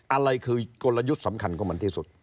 อะไรคือกลยุทธ์สำคัญของมันที่สุด